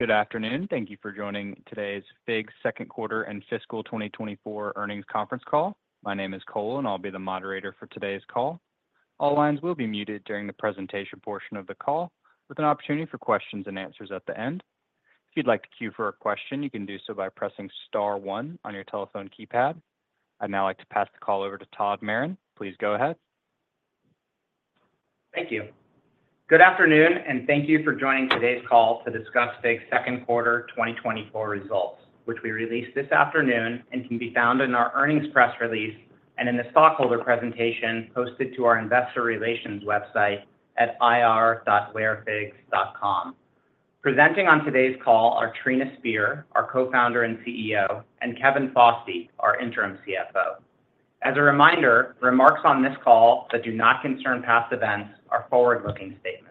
Good afternoon. Thank you for joining today's FIGS' second quarter and fiscal 2024 earnings conference call. My name is Cole, and I'll be the moderator for today's call. All lines will be muted during the presentation portion of the call, with an opportunity for questions and answers at the end. If you'd like to queue for a question, you can do so by pressing star one on your telephone keypad. I'd now like to pass the call over to Todd Maron. Please go ahead. Thank you. Good afternoon, and thank you for joining today's call to discuss FIGS's second quarter 2024 results, which we released this afternoon and can be found in our earnings press release and in the stockholder presentation posted to our investor relations website at ir.wearfigs.com. Presenting on today's call are Trina Spear, our co-founder and CEO, and Kevin Fosse, our interim CFO. As a reminder, remarks on this call that do not concern past events are forward-looking statements.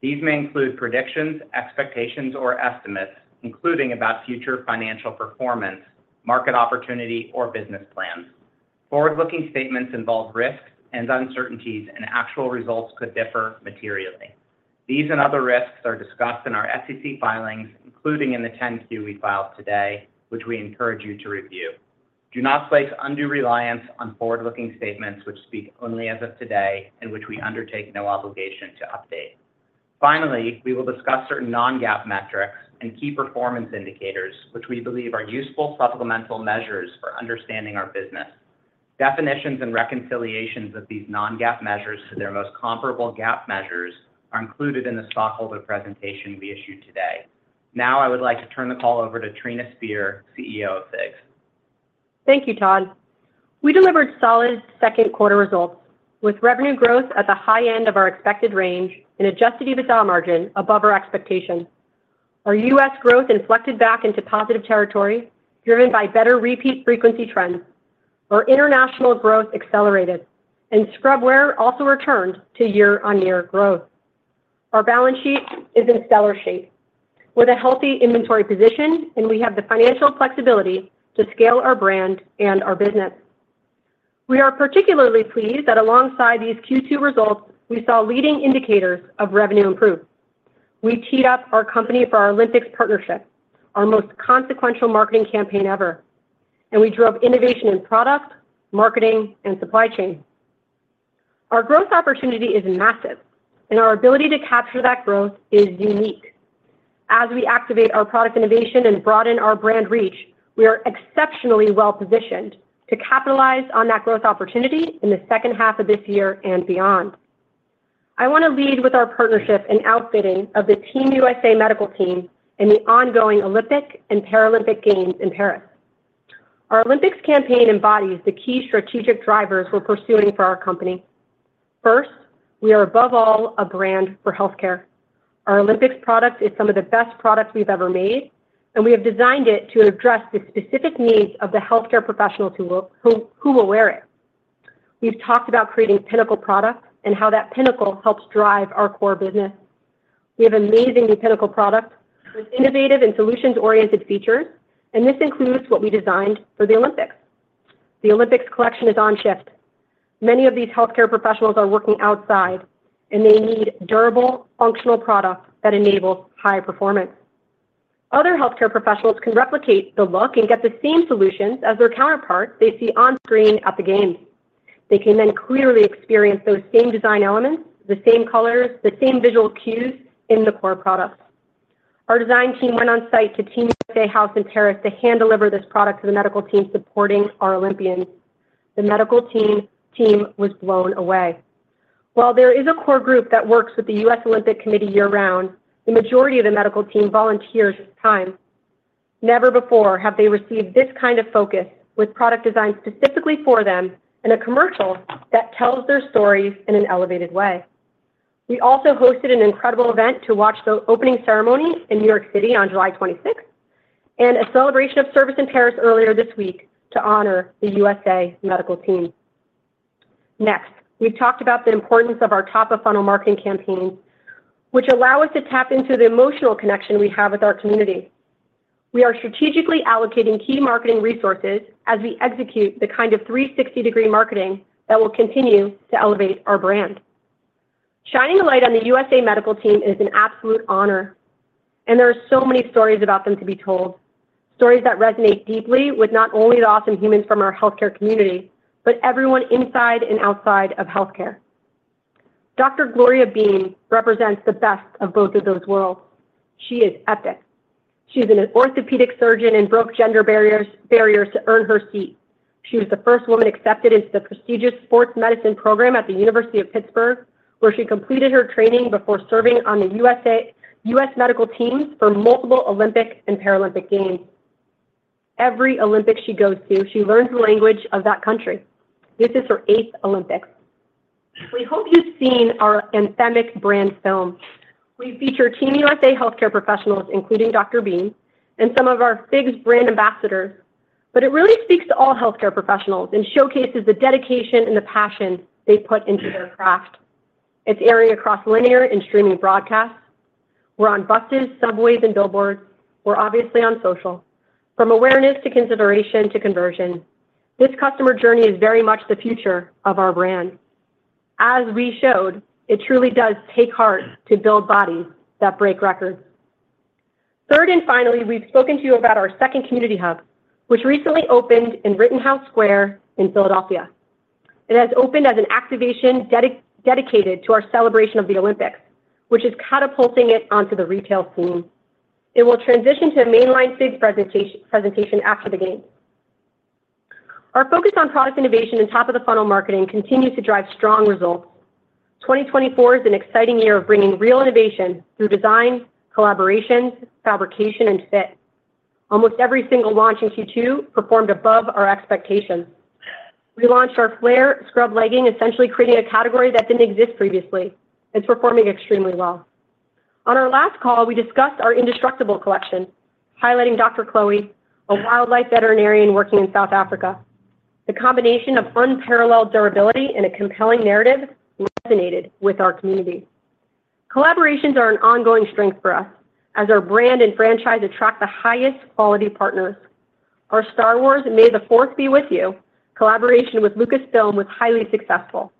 These may include predictions, expectations, or estimates, including about future financial performance, market opportunity, or business plans. Forward-looking statements involve risks and uncertainties, and actual results could differ materially. These and other risks are discussed in our SEC filings, including in the 10-Q we filed today, which we encourage you to review. Do not place undue reliance on forward-looking statements, which speak only as of today and which we undertake no obligation to update. Finally, we will discuss certain non-GAAP metrics and key performance indicators, which we believe are useful supplemental measures for understanding our business. Definitions and reconciliations of these non-GAAP measures to their most comparable GAAP measures are included in the stockholder presentation we issued today. Now, I would like to turn the call over to Trina Spear, CEO of FIGS. Thank you, Todd. We delivered solid second quarter results with revenue growth at the high end of our expected range and adjusted EBITDA margin above our expectation. Our U.S. growth inflected back into positive territory, driven by better repeat frequency trends. Our international growth accelerated and scrubwear also returned to year-on-year growth. Our balance sheet is in stellar shape with a healthy inventory position, and we have the financial flexibility to scale our brand and our business. We are particularly pleased that alongside these Q2 results, we saw leading indicators of revenue improve. We teed up our company for our Olympics partnership, our most consequential marketing campaign ever, and we drove innovation in product, marketing, and supply chain. Our growth opportunity is massive, and our ability to capture that growth is unique. As we activate our product innovation and broaden our brand reach, we are exceptionally well positioned to capitalize on that growth opportunity in the second half of this year and beyond. I want to lead with our partnership and outfitting of the Team USA Medical Team in the ongoing Olympic and Paralympic Games in Paris. Our Olympics campaign embodies the key strategic drivers we're pursuing for our company. First, we are above all, a brand for healthcare. Our Olympics product is some of the best products we've ever made, and we have designed it to address the specific needs of the healthcare professionals who will wear it. We've talked about creating pinnacle products and how that pinnacle helps drive our core business. We have amazing new pinnacle products with innovative and solutions-oriented features, and this includes what we designed for the Olympics. The Olympics collection is on shift. Many of these healthcare professionals are working outside, and they need durable, functional products that enable high performance. Other healthcare professionals can replicate the look and get the same solutions as their counterparts they see on screen at the games. They can then clearly experience those same design elements, the same colors, the same visual cues in the core products. Our design team went on site to Team USA House in Paris to hand-deliver this product to the medical team supporting our Olympians. The medical team was blown away. While there is a core group that works with the US Olympic Committee year-round, the majority of the medical team volunteers time. Never before have they received this kind of focus with product design specifically for them and a commercial that tells their stories in an elevated way. We also hosted an incredible event to watch the opening ceremony in New York City on July 26th, and a celebration of service in Paris earlier this week to honor the USA Medical Team. Next, we've talked about the importance of our top-of-funnel marketing campaigns, which allow us to tap into the emotional connection we have with our community. We are strategically allocating key marketing resources as we execute the kind of 360-degree marketing that will continue to elevate our brand. Shining a light on the USA Medical Team is an absolute honor, and there are so many stories about them to be told, stories that resonate deeply with not only the awesome humans from our healthcare community, but everyone inside and outside of healthcare. Dr. Gloria Beim represents the best of both of those worlds. She is epic. She's an orthopedic surgeon and broke gender barriers, barriers to earn her seat. She was the first woman accepted into the prestigious sports medicine program at the University of Pittsburgh, where she completed her training before serving on the USA, US Medical Teams for multiple Olympic and Paralympic Games. Every Olympic she goes to, she learns the language of that country. This is her eighth Olympics. We hope you've seen our anthemic brand film. We feature Team USA healthcare professionals, including Dr. Beim and some of our FIGS brand ambassadors, but it really speaks to all healthcare professionals and showcases the dedication and the passion they put into their craft. It's airing across linear and streaming broadcasts. We're on buses, subways, and billboards. We're obviously on social. From awareness to consideration to conversion, this customer journey is very much the future of our brand. As we showed, it truly does take heart to build bodies that break records. Third, and finally, we've spoken to you about our second community hub, which recently opened in Rittenhouse Square in Philadelphia. It has opened as an activation dedicated to our celebration of the Olympics, which is catapulting it onto the retail scene. It will transition to a mainline FIGS presentation after the game. Our focus on product innovation and top-of-the-funnel marketing continues to drive strong results. 2024 is an exciting year of bringing real innovation through design, collaboration, fabrication, and fit. Almost every single launch in Q2 performed above our expectations. We launched our Flare Scrub Legging, essentially creating a category that didn't exist previously. It's performing extremely well. On our last call, we discussed our Indestructible Collection, highlighting Dr. Chloe, a wildlife veterinarian working in South Africa. The combination of unparalleled durability and a compelling narrative resonated with our community. Collaborations are an ongoing strength for us as our brand and franchise attract the highest quality partners. Our Star Wars: May the Fourth Be With You collaboration with Lucasfilm was highly successful.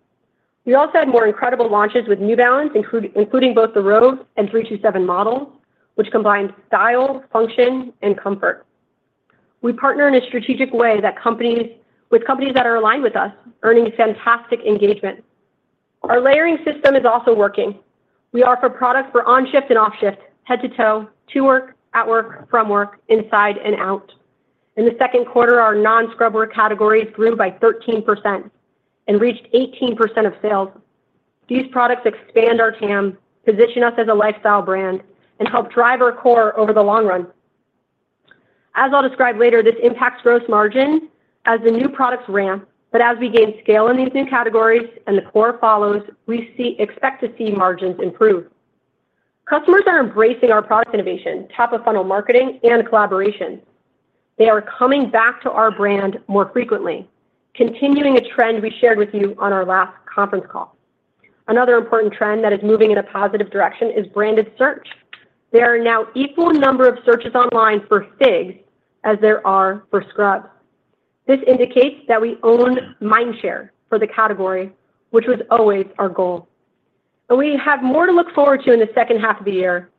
We also had more incredible launches with New Balance, including both the Roav and 327 models, which combined style, function, and comfort. We partner in a strategic way with companies that are aligned with us, earning fantastic engagement. Our layering system is also working. We offer products for on shift and off shift, head to toe, to work, at work, from work, inside and out. In the second quarter, our non-scrubwear categories grew by 13% and reached 18% of sales. These products expand our TAM, position us as a lifestyle brand, and help drive our core over the long run. As I'll describe later, this impacts gross margin as the new products ramp, but as we gain scale in these new categories and the core follows, we see... expect to see margins improve. Customers are embracing our product innovation, top-of-funnel marketing, and collaboration. They are coming back to our brand more frequently, continuing a trend we shared with you on our last conference call. Another important trend that is moving in a positive direction is branded search. There are now equal number of searches online for FIGS as there are for scrubs. This indicates that we own mind share for the category, which was always our goal. We have more to look forward to in the second half of the year.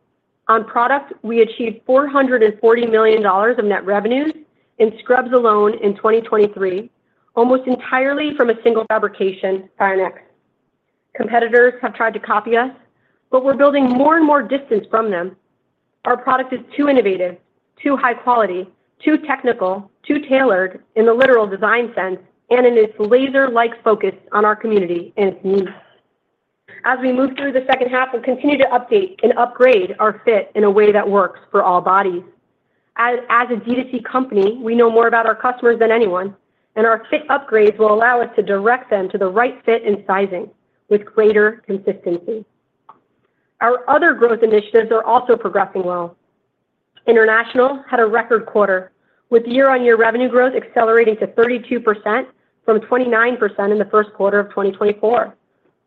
On product, we achieved $440 million of net revenues in scrubs alone in 2023, almost entirely from a single fabrication, FIONx. Competitors have tried to copy us, but we're building more and more distance from them. Our product is too innovative, too high quality, too technical, too tailored in the literal design sense, and in its laser-like focus on our community and its needs. As we move through the second half, we'll continue to update and upgrade our fit in a way that works for all bodies. As a D2C company, we know more about our customers than anyone, and our fit upgrades will allow us to direct them to the right fit and sizing with greater consistency. Our other growth initiatives are also progressing well. International had a record quarter, with year-on-year revenue growth accelerating to 32% from 29% in the first quarter of 2024,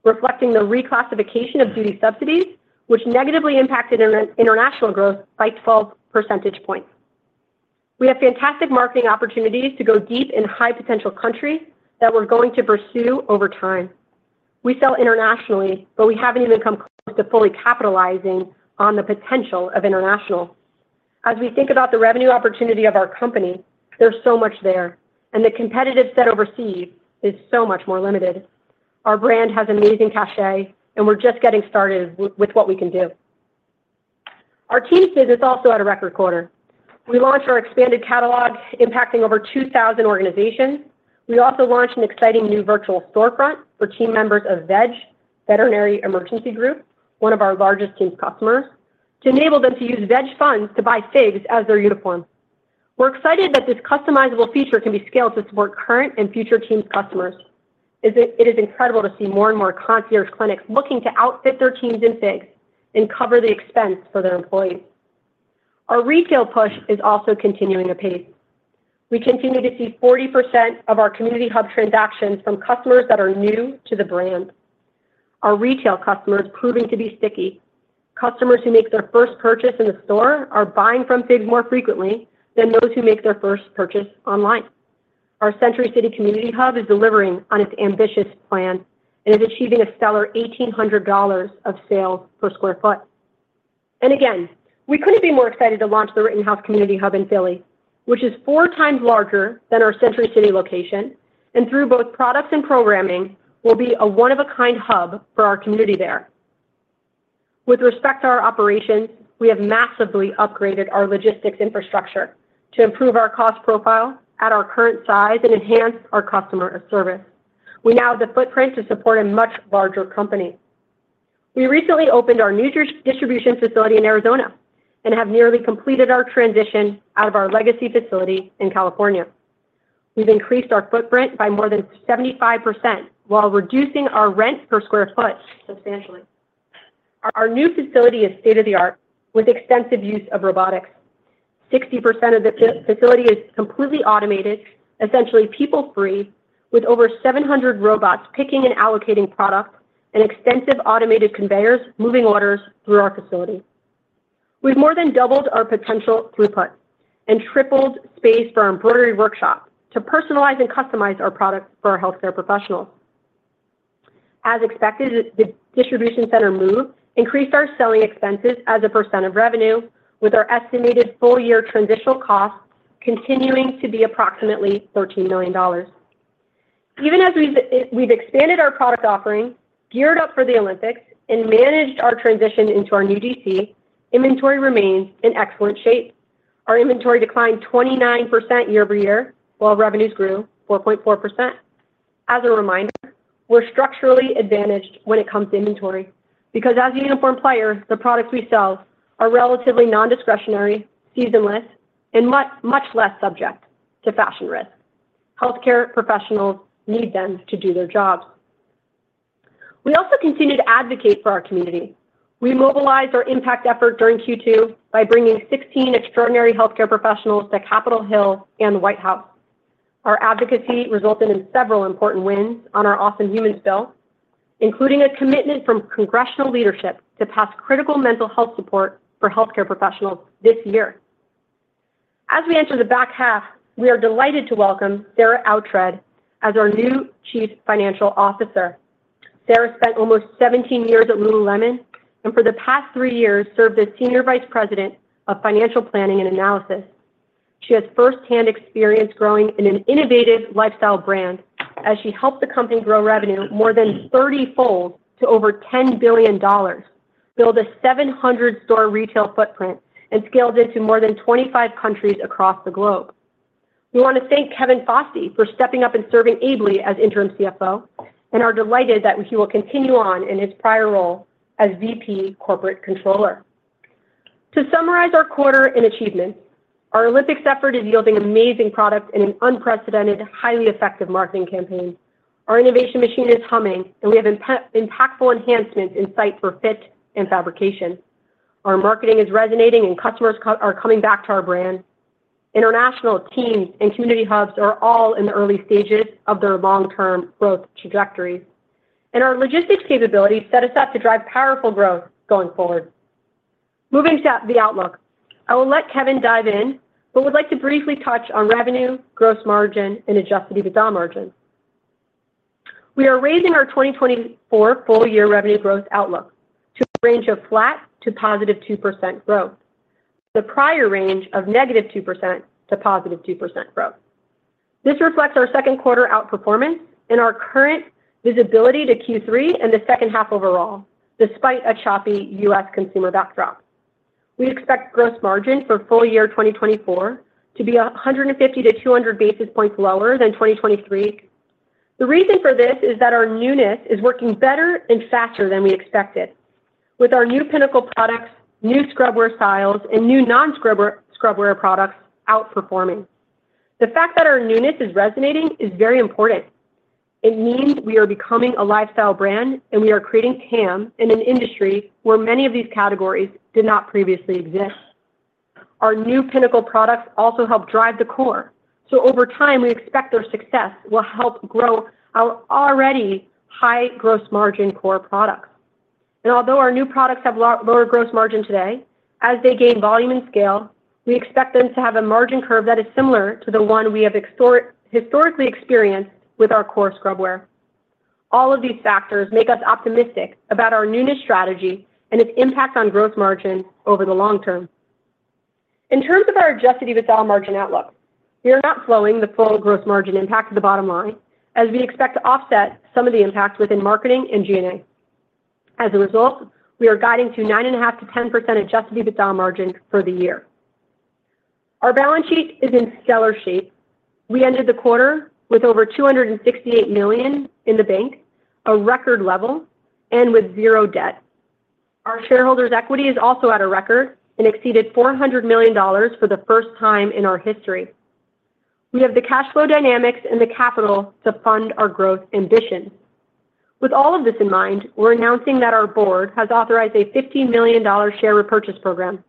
reflecting the reclassification of duty subsidies, which negatively impacted international growth by 12 percentage points. We have fantastic marketing opportunities to go deep in high-potential countries that we're going to pursue over time. We sell internationally, but we haven't even come close to fully capitalizing on the potential of international. As we think about the revenue opportunity of our company, there's so much there, and the competitive set overseas is so much more limited. Our brand has amazing cachet, and we're just getting started with what we can do. Our TEAMS biz is also at a record quarter. We launched our expanded catalog, impacting over 2,000 organizations. We also launched an exciting new virtual storefront for team members of VEG, Veterinary Emergency Group, one of our largest TEAMS customers, to enable them to use VEG funds to buy FIGS as their uniform. We're excited that this customizable feature can be scaled to support current and future TEAMS customers. It is incredible to see more and more concierge clinics looking to outfit their teams in FIGS and cover the expense for their employees. Our retail push is also continuing apace. We continue to see 40% of our community hub transactions from customers that are new to the brand. Our retail customer is proving to be sticky. Customers who make their first purchase in a store are buying from FIGS more frequently than those who make their first purchase online. Our Century City Community Hub is delivering on its ambitious plan and is achieving a stellar $1,800 of sales per sq ft. Again, we couldn't be more excited to launch the Rittenhouse Community Hub in Philly, which is four times larger than our Century City location, and through both products and programming, will be a one-of-a-kind hub for our community there. With respect to our operations, we have massively upgraded our logistics infrastructure to improve our cost profile at our current size and enhance our customer service. We now have the footprint to support a much larger company. We recently opened our new distribution facility in Arizona and have nearly completed our transition out of our legacy facility in California. We've increased our footprint by more than 75% while reducing our rent per sq ft substantially. Our new facility is state-of-the-art, with extensive use of robotics. 60% of the facility is completely automated, essentially people-free, with over 700 robots picking and allocating product and extensive automated conveyors moving orders through our facility. We've more than doubled our potential throughput and tripled space for our embroidery workshop to personalize and customize our products for our healthcare professionals. As expected, the distribution center move increased our selling expenses as a percent of revenue, with our estimated full year transitional costs continuing to be approximately $13 million. Even as we've expanded our product offering, geared up for the Olympics, and managed our transition into our new DC, inventory remains in excellent shape. Our inventory declined 29% year-over-year, while revenues grew 4.4%. As a reminder, we're structurally advantaged when it comes to inventory, because as a uniform player, the products we sell are relatively non-discretionary, seasonless, and much, much less subject to fashion risk. Healthcare professionals need them to do their jobs. We also continue to advocate for our community. We mobilized our impact effort during Q2 by bringing 16 extraordinary healthcare professionals to Capitol Hill and the White House. Our advocacy resulted in several important wins on our Awesome Humans bill, including a commitment from congressional leadership to pass critical mental health support for healthcare professionals this year. As we enter the back half, we are delighted to welcome Sarah O'Grady as our new Chief Financial Officer. Sarah spent almost 17 years at Lululemon, and for the past 3 years, served as Senior Vice President of Financial Planning and Analysis. She has firsthand experience growing an innovative lifestyle brand as she helped the company grow revenue more than 30-fold to over $10 billion, build a 700-store retail footprint, and scaled into more than 25 countries across the globe. We want to thank Kevin Fosty for stepping up and serving ably as Interim CFO, and are delighted that he will continue on in his prior role as VP Corporate Controller. To summarize our quarter and achievements, our Olympics effort is yielding amazing products and an unprecedented, highly effective marketing campaign. Our innovation machine is humming, and we have impactful enhancements in sight for fit and fabrication. Our marketing is resonating, and customers are coming back to our brand. International teams and community hubs are all in the early stages of their long-term growth trajectory, and our logistics capabilities set us up to drive powerful growth going forward. Moving to the outlook. I will let Kevin dive in, but would like to briefly touch on revenue, gross margin, and adjusted EBITDA margin. We are raising our 2024 full year revenue growth outlook to a range of flat to +2% growth, the prior range of -2% to +2% growth. This reflects our second quarter outperformance and our current visibility to Q3 and the second half overall, despite a choppy U.S. consumer backdrop. We expect gross margin for full year 2024 to be 150-200 basis points lower than 2023. The reason for this is that our newness is working better and faster than we expected, with our new pinnacle products, new scrubwear styles, and new non-scrubwear, scrubwear products outperforming. The fact that our newness is resonating is very important. It means we are becoming a lifestyle brand, and we are creating TAM in an industry where many of these categories did not previously exist. Our new pinnacle products also help drive the core, so over time, we expect their success will help grow our already high gross margin core products. And although our new products have lower gross margin today, as they gain volume and scale, we expect them to have a margin curve that is similar to the one we have historically experienced with our core scrubwear. All of these factors make us optimistic about our newness strategy and its impact on gross margin over the long term. In terms of our Adjusted EBITDA margin outlook, we are not flowing the full gross margin impact to the bottom line, as we expect to offset some of the impact within marketing and G&A. As a result, we are guiding to 9.5%-10% Adjusted EBITDA margin for the year. Our balance sheet is in stellar shape. We ended the quarter with over $268 million in the bank, a record level, and with zero debt. Our shareholders' equity is also at a record and exceeded $400 million for the first time in our history. We have the cash flow dynamics and the capital to fund our growth ambition. With all of this in mind, we're announcing that our board has authorized a $15 million share repurchase program.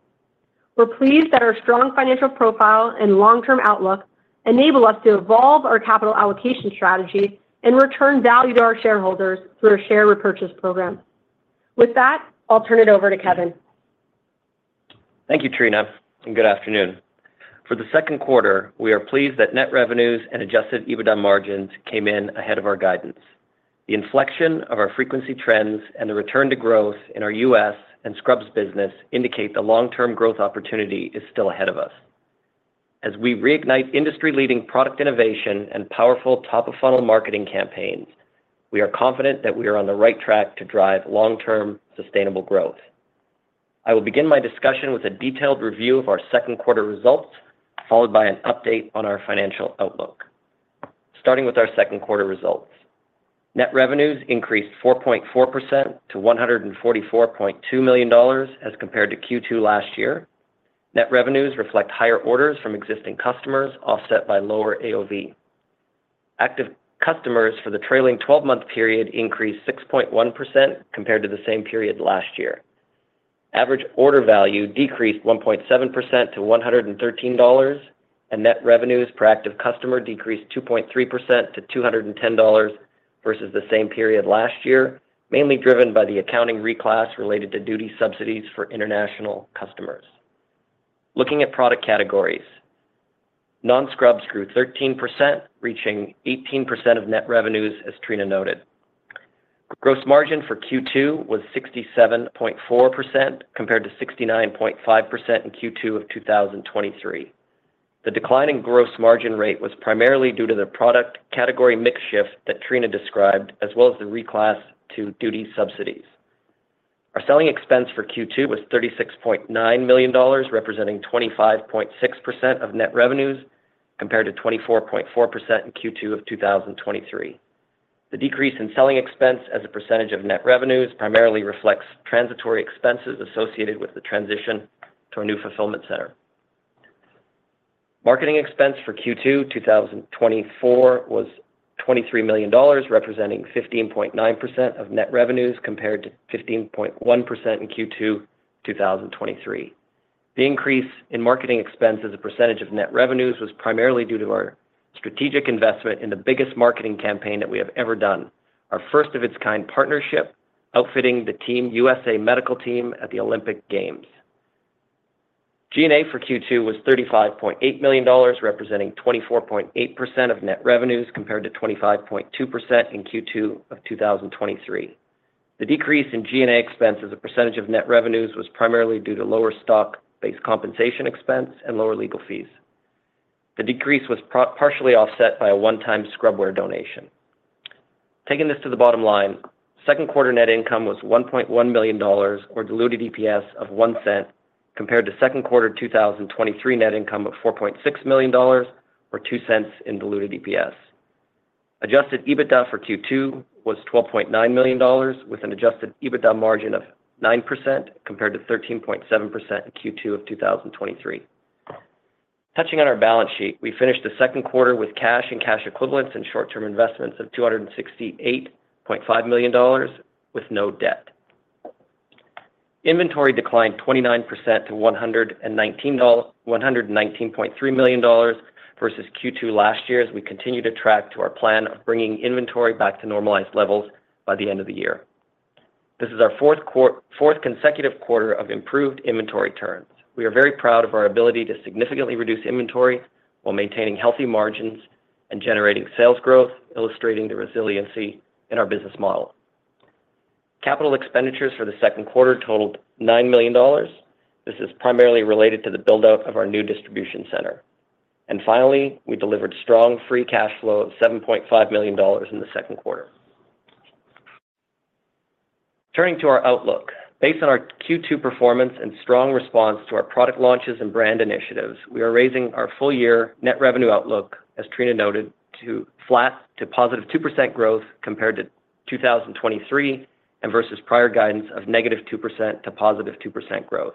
We're pleased that our strong financial profile and long-term outlook enable us to evolve our capital allocation strategy and return value to our shareholders through our share repurchase program. With that, I'll turn it over to Kevin. Thank you, Trina, and good afternoon. For the second quarter, we are pleased that net revenues and adjusted EBITDA margins came in ahead of our guidance. The inflection of our frequency trends and the return to growth in our U.S. and scrubs business indicate the long-term growth opportunity is still ahead of us. As we reignite industry-leading product innovation and powerful top-of-funnel marketing campaigns, we are confident that we are on the right track to drive long-term sustainable growth. I will begin my discussion with a detailed review of our second quarter results, followed by an update on our financial outlook. Starting with our second quarter results. Net revenues increased 4.4% to $144.2 million as compared to Q2 last year. Net revenues reflect higher orders from existing customers, offset by lower AOV. Active customers for the trailing twelve-month period increased 6.1% compared to the same period last year. Average order value decreased 1.7% to $113, and net revenues per active customer decreased 2.3% to $210... versus the same period last year, mainly driven by the accounting reclass related to duty subsidies for international customers. Looking at product categories, non-scrubs grew 13%, reaching 18% of net revenues, as Trina noted. Gross margin for Q2 was 67.4%, compared to 69.5% in Q2 of 2023. The decline in gross margin rate was primarily due to the product category mix shift that Trina described, as well as the reclass to duty subsidies. Our selling expense for Q2 was $36.9 million, representing 25.6% of net revenues, compared to 24.4% in Q2 of 2023. The decrease in selling expense as a percentage of net revenues primarily reflects transitory expenses associated with the transition to our new fulfillment center. Marketing expense for Q2 2024 was $23 million, representing 15.9% of net revenues, compared to 15.1% in Q2 2023. The increase in marketing expense as a percentage of net revenues was primarily due to our strategic investment in the biggest marketing campaign that we have ever done. Our first of its kind partnership, outfitting the Team USA medical team at the Olympic Games. SG&A for Q2 was $35.8 million, representing 24.8% of net revenues, compared to 25.2% in Q2 of 2023. The decrease in SG&A expense as a percentage of net revenues was primarily due to lower stock-based compensation expense and lower legal fees. The decrease was partially offset by a one-time scrub wear donation. Taking this to the bottom line, second quarter net income was $1.1 million or diluted EPS of $0.01, compared to second quarter 2023 net income of $4.6 million or $0.02 diluted EPS. Adjusted EBITDA for Q2 was $12.9 million, with an adjusted EBITDA margin of 9% compared to 13.7% in Q2 of 2023. Touching on our balance sheet, we finished the second quarter with cash and cash equivalents in short-term investments of $268.5 million with no debt. Inventory declined 29% to $119.3 million versus Q2 last year, as we continue to track to our plan of bringing inventory back to normalized levels by the end of the year. This is our fourth consecutive quarter of improved inventory turns. We are very proud of our ability to significantly reduce inventory while maintaining healthy margins and generating sales growth, illustrating the resiliency in our business model. Capital expenditures for the second quarter totaled $9 million. This is primarily related to the build-out of our new distribution center. Finally, we delivered strong free cash flow of $7.5 million in the second quarter. Turning to our outlook. Based on our Q2 performance and strong response to our product launches and brand initiatives, we are raising our full year net revenue outlook, as Trina noted, to flat to positive 2% growth compared to 2023, and versus prior guidance of negative 2% to positive 2% growth.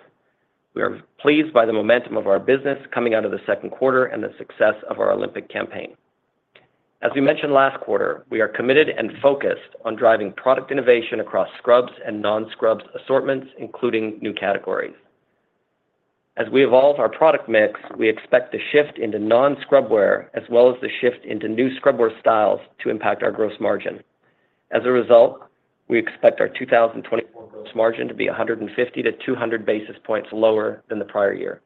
We are pleased by the momentum of our business coming out of the second quarter and the success of our Olympic campaign. As we mentioned last quarter, we are committed and focused on driving product innovation across scrubs and non-scrubs assortments, including new categories. As we evolve our product mix, we expect the shift into non-scrubwear, as well as the shift into new scrubwear styles to impact our gross margin. As a result, we expect our 2024 gross margin to be 150-200 basis points lower than the prior year.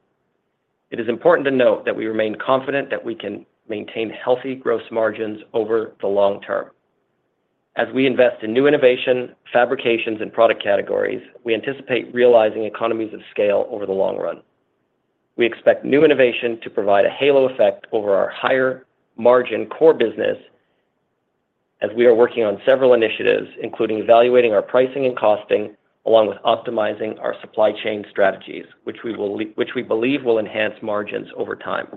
It is important to note that we remain confident that we can maintain healthy gross margins over the long term. As we invest in new innovation, fabrications, and product categories, we anticipate realizing economies of scale over the long run. We expect new innovation to provide a halo effect over our higher margin core business as we are working on several initiatives, including evaluating our pricing and costing, along with optimizing our supply chain strategies, which we will, which we believe will enhance margins over time.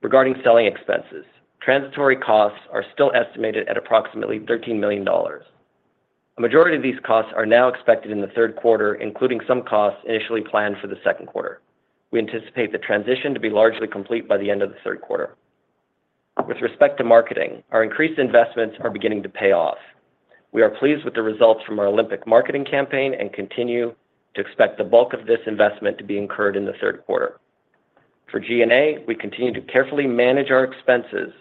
Regarding selling expenses, transitory costs are still estimated at approximately $13 million. A majority of these costs are now expected in the third quarter, including some costs initially planned for the second quarter. We anticipate the transition to be largely complete by the end of the third quarter. With respect to marketing, our increased investments are beginning to pay off. We are pleased with the results from our Olympic marketing campaign and continue to expect the bulk of this investment to be incurred in the third quarter. For G&A, we continue to carefully manage our expenses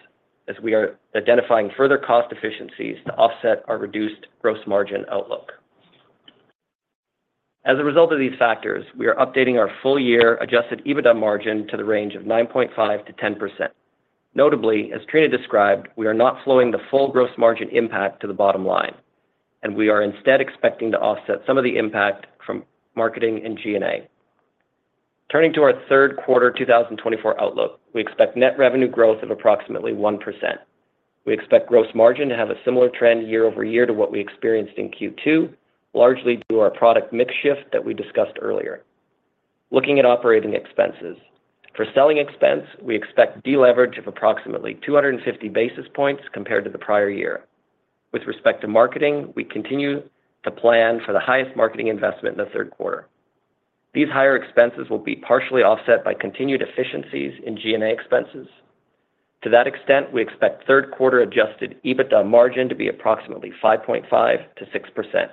as we are identifying further cost efficiencies to offset our reduced gross margin outlook. As a result of these factors, we are updating our full year Adjusted EBITDA margin to the range of 9.5%-10%. Notably, as Trina described, we are not flowing the full gross margin impact to the bottom line, and we are instead expecting to offset some of the impact from marketing and G&A. Turning to our third quarter 2024 outlook, we expect net revenue growth of approximately 1%. We expect gross margin to have a similar trend year-over-year to what we experienced in Q2, largely due to our product mix shift that we discussed earlier. Looking at operating expenses, for selling expense, we expect deleverage of approximately 250 basis points compared to the prior year. With respect to marketing, we continue to plan for the highest marketing investment in the third quarter. These higher expenses will be partially offset by continued efficiencies in G&A expenses. To that extent, we expect third quarter Adjusted EBITDA margin to be approximately 5.5%-6%....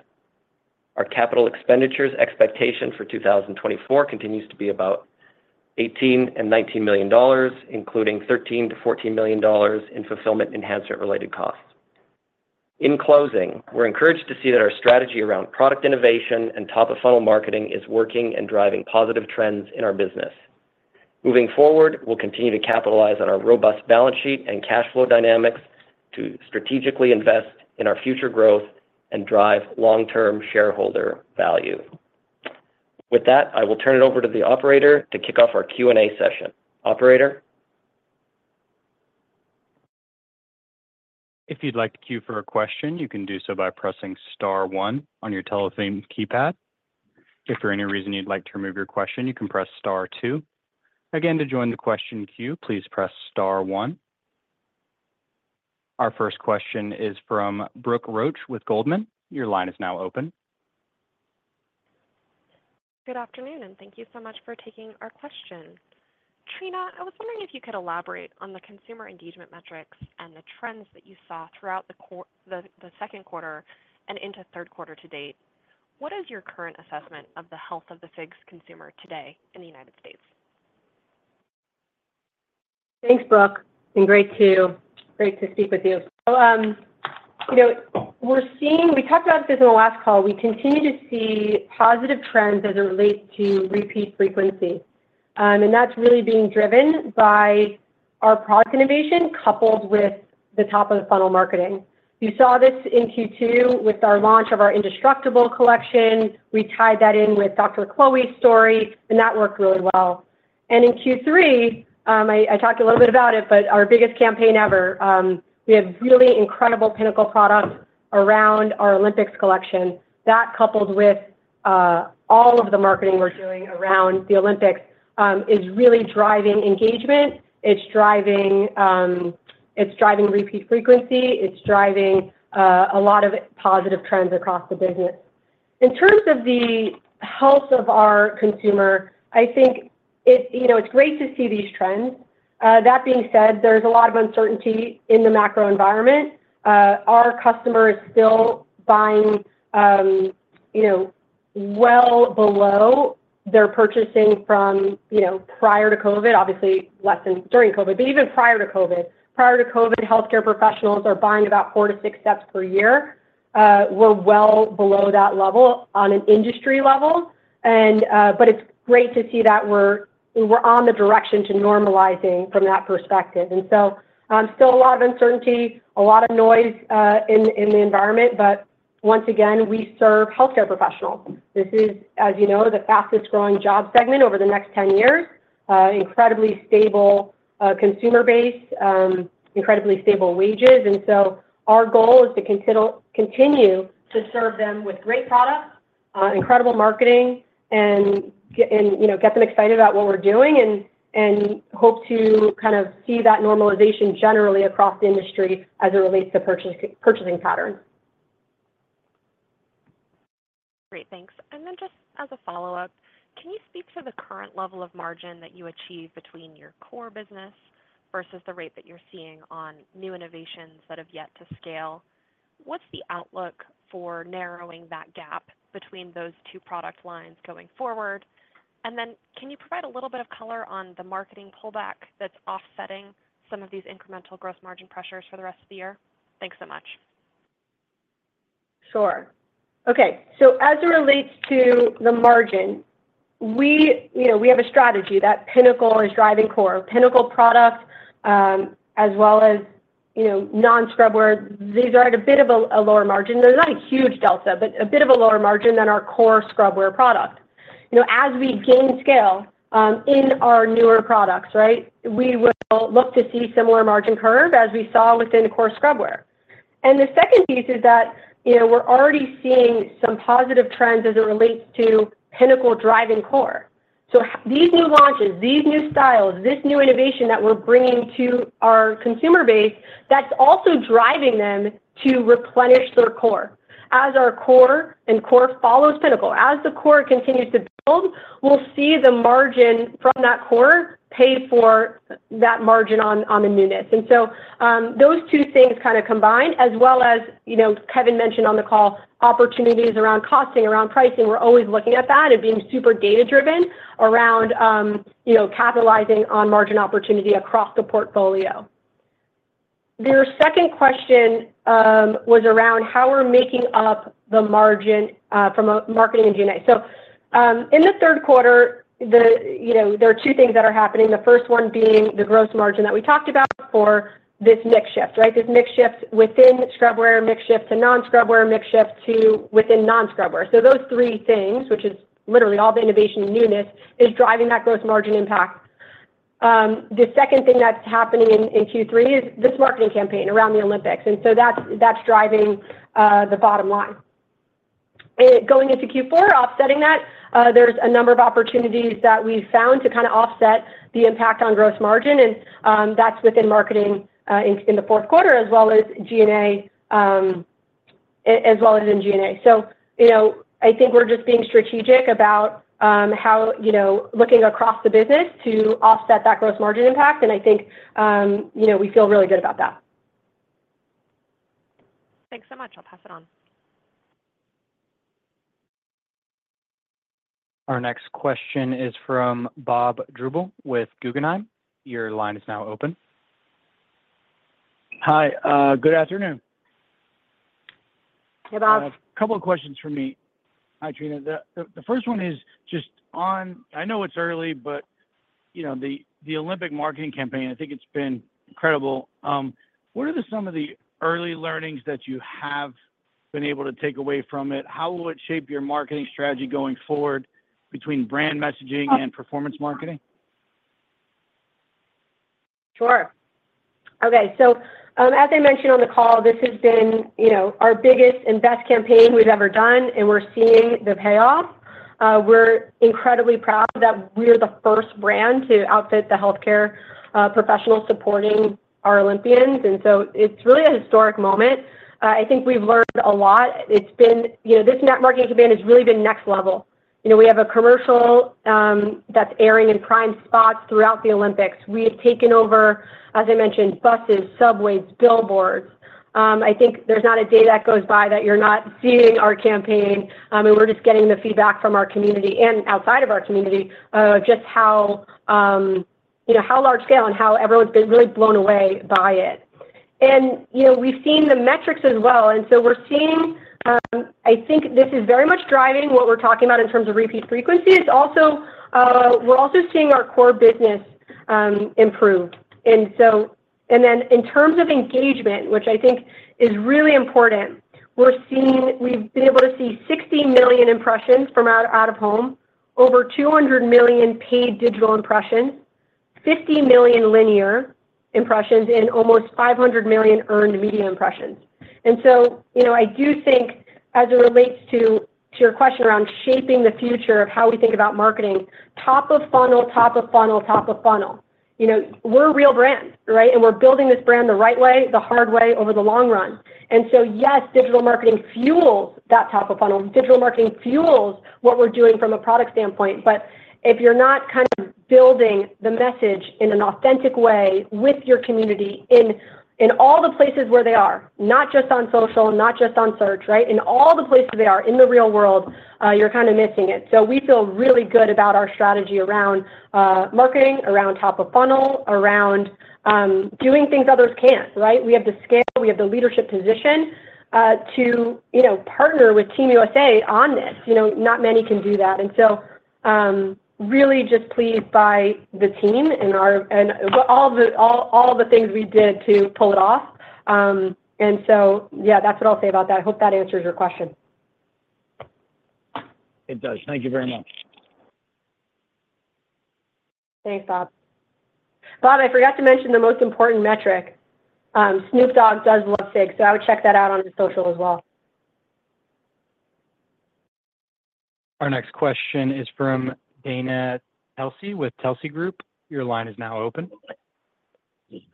Our capital expenditures expectation for 2024 continues to be about $18-$19 million, including $13-$14 million in fulfillment enhancer related costs. In closing, we're encouraged to see that our strategy around product innovation and top-of-funnel marketing is working and driving positive trends in our business. Moving forward, we'll continue to capitalize on our robust balance sheet and cash flow dynamics to strategically invest in our future growth and drive long-term shareholder value. With that, I will turn it over to the operator to kick off our Q&A session. Operator? If you'd like to queue for a question, you can do so by pressing star one on your telephone keypad. If for any reason you'd like to remove your question, you can press star two. Again, to join the question queue, please press star one. Our first question is from Brooke Roach with Goldman. Your line is now open. Good afternoon, and thank you so much for taking our question. Trina, I was wondering if you could elaborate on the consumer engagement metrics and the trends that you saw throughout the second quarter and into third quarter to date. What is your current assessment of the health of the FIGS consumer today in the United States? Thanks, Brooke, and great to speak with you. You know, we're seeing... We talked about this on the last call. We continue to see positive trends as it relates to repeat frequency, and that's really being driven by our product innovation, coupled with the top-of-the-funnel marketing. You saw this in Q2 with our launch of our Indestructible Collection. We tied that in with Dr. Chloe's story, and that worked really well. In Q3, I talked a little bit about it, but our biggest campaign ever, we have really incredible pinnacle products around our Olympics collection. That, coupled with all of the marketing we're doing around the Olympics, is really driving engagement. It's driving repeat frequency. It's driving a lot of positive trends across the business. In terms of the health of our consumer, I think it's, you know, it's great to see these trends. That being said, there's a lot of uncertainty in the macro environment. Our customer is still buying, you know, well below their purchasing from, you know, prior to COVID. Obviously, less than during COVID, but even prior to COVID. Prior to COVID, healthcare professionals are buying about 4-6 sets per year. We're well below that level on an industry level, and, but it's great to see that we're on the direction to normalizing from that perspective. And so, still a lot of uncertainty, a lot of noise, in the environment, but once again, we serve healthcare professionals. This is, as you know, the fastest growing job segment over the next 10 years. Incredibly stable consumer base, incredibly stable wages. And so our goal is to continue to serve them with great products, incredible marketing, and, you know, get them excited about what we're doing, and hope to kind of see that normalization generally across the industry as it relates to purchasing patterns. Great, thanks. And then just as a follow-up, can you speak to the current level of margin that you achieve between your core business versus the rate that you're seeing on new innovations that have yet to scale? What's the outlook for narrowing that gap between those two product lines going forward? And then, can you provide a little bit of color on the marketing pullback that's offsetting some of these incremental gross margin pressures for the rest of the year? Thanks so much. Sure. Okay, so as it relates to the margin, we, you know, we have a strategy that Pinnacle is driving core. Pinnacle product, as well as, you know, non-scrubwear. These are at a bit of a, a lower margin. They're not a huge delta, but a bit of a lower margin than our core scrubwear product. You know, as we gain scale, in our newer products, right, we will look to see similar margin curve as we saw within the core scrubwear. And the second piece is that, you know, we're already seeing some positive trends as it relates to Pinnacle driving core. So these new launches, these new styles, this new innovation that we're bringing to our consumer base, that's also driving them to replenish their core. As our core, and core follows pinnacle, as the core continues to build, we'll see the margin from that core pay for that margin on, on the newness. And so, those two things kind of combined, as well as, you know, Kevin mentioned on the call, opportunities around costing, around pricing. We're always looking at that and being super data-driven around, you know, capitalizing on margin opportunity across the portfolio. Your second question, was around how we're making up the margin, from a marketing G&A. So, in the third quarter, the, you know, there are two things that are happening. The first one being the gross margin that we talked about for this mix shift, right? This mix shift within scrubwear, mix shift to non-scrubwear, mix shift to within non-scrubwear. So those three things, which is literally all the innovation and newness, is driving that gross margin impact. The second thing that's happening in Q3 is this marketing campaign around the Olympics, and so that's driving the bottom line. Going into Q4, offsetting that, there's a number of opportunities that we found to kinda offset the impact on gross margin, and that's within marketing in the fourth quarter, as well as SG&A, as well as in SG&A. So, you know, I think we're just being strategic about how, you know, looking across the business to offset that gross margin impact, and I think, you know, we feel really good about that.... Thanks so much. I'll pass it on. Our next question is from Bob Drbul with Guggenheim. Your line is now open. Hi, good afternoon. Hey, Bob. A couple of questions from me. Hi, Trina. The first one is just on. I know it's early, but you know, the Olympic marketing campaign, I think it's been incredible. What are some of the early learnings that you have been able to take away from it? How will it shape your marketing strategy going forward between brand messaging and performance marketing? Sure. Okay, so, as I mentioned on the call, this has been, you know, our biggest and best campaign we've ever done, and we're seeing the payoff. We're incredibly proud that we're the first brand to outfit the healthcare professionals supporting our Olympians, and so it's really a historic moment. I think we've learned a lot. It's been... You know, this net marketing campaign has really been next level. You know, we have a commercial that's airing in prime spots throughout the Olympics. We have taken over, as I mentioned, buses, subways, billboards. I think there's not a day that goes by that you're not seeing our campaign. I mean, we're just getting the feedback from our community and outside of our community, just how, you know, how large scale and how everyone's been really blown away by it. You know, we've seen the metrics as well, and so we're seeing, I think this is very much driving what we're talking about in terms of repeat frequency. It's also, we're also seeing our core business, improved. And so, and then in terms of engagement, which I think is really important, we're seeing we've been able to see 60 million impressions from our out-of-home, over 200 million paid digital impressions, 50 million linear impressions, and almost 500 million earned media impressions. And so, you know, I do think, as it relates to, to your question around shaping the future of how we think about marketing, top of funnel, top of funnel, top of funnel. You know, we're a real brand, right? And we're building this brand the right way, the hard way, over the long run. Yes, digital marketing fuels that top of funnel. Digital marketing fuels what we're doing from a product standpoint. But if you're not kind of building the message in an authentic way with your community, in all the places where they are, not just on social, not just on search, right? In all the places they are in the real world, you're kind of missing it. So we feel really good about our strategy around marketing, around top of funnel, around doing things others can't, right? We have the scale, we have the leadership position, to, you know, partner with Team USA on this. You know, not many can do that. And so, really just pleased by the team and our... and all the things we did to pull it off. And so, yeah, that's what I'll say about that. I hope that answers your question. It does. Thank you very much. Thanks, Bob. Bob, I forgot to mention the most important metric. Snoop Dogg does love FIGS, so I would check that out on his social as well. Our next question is from Dana Telsey with Telsey Group. Your line is now open.